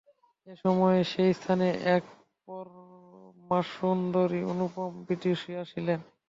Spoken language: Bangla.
এই সময়ে সেই স্থানে এক পরমাসুন্দরী অনুপম বিদুষী আসিলেন।